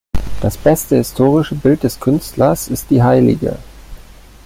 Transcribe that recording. Das beste historische Bild des Künstlers ist die hl.